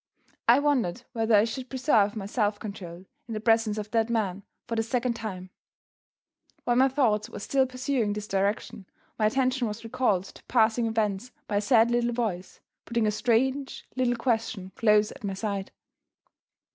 I wondered whether I should preserve my self control, in the presence of that man, for the second time. While my thoughts were still pursuing this direction, my attention was recalled to passing events by a sad little voice, putting a strange little question, close at my side.